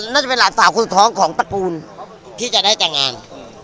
น่าจะเป็นหลานสาวคนท้องของตระกูลที่จะได้แต่งงาน